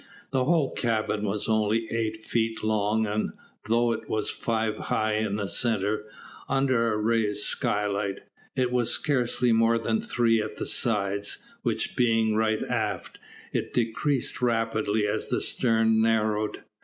The whole cabin was only eight feet long, and though it was five high in the centre, under a raised skylight, it was scarcely more than three at the sides, which being right aft, it decreased rapidly as the stern narrowed.